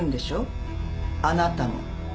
あなたも。